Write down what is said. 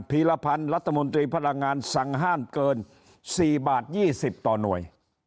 ีรพันธ์รัฐมนตรีพลังงานสั่งห้ามเกิน๔บาท๒๐ต่อหน่วย